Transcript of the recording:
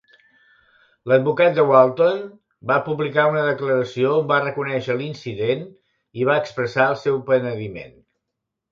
L'advocat de Walton va publicar una declaració on va reconèixer l'incident i va expressar el seu penediment.